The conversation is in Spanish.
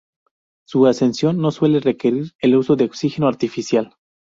Su ascensión no suele requerir el uso de oxígeno artificial.